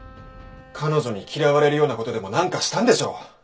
「彼女に嫌われるような事でもなんかしたんでしょう！」